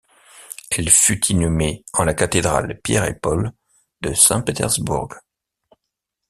Elle fut inhumée en la cathédrale Pierre-et-Paul de Saint-Pétersbourg.